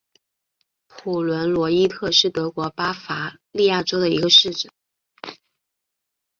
普伦罗伊特是德国巴伐利亚州的一个市镇。